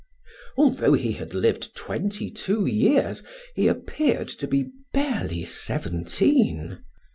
Although he had lived twenty two years he appeared to be barely seventeen.